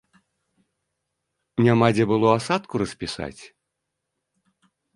Няма дзе было асадку распісаць?